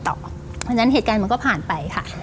เพราะฉะนั้นเหตุการณ์มันก็ผ่านไปค่ะ